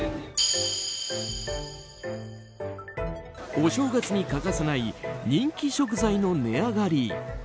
お正月に欠かせない人気食材の値上がり。